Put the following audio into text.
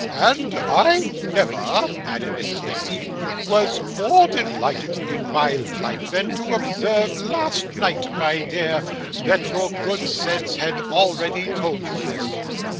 'And I never,' added Mrs Nickleby, 'was more delighted in my life than to observe last night, my dear, that your good sense had already told you this.